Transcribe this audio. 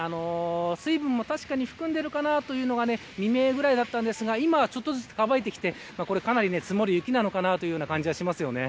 水分も確かに含んでいるかなというのが未明ぐらいだったんですが今はちょっとずつ溶けてきてかなり積もる雪なのかなと思います。